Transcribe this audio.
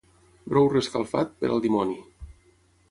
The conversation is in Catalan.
Brou reescalfat, per al dimoni.